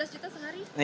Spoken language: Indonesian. lima belas juta sehari